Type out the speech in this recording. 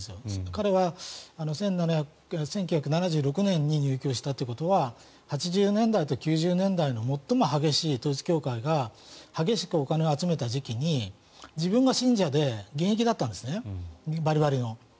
彼は１９７６年に入教したということは８０年代と９０年代最も激しい、統一教会が激しくお金を集めた時に自分が信者で現役だったんです、バリバリの。